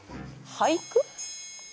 俳句！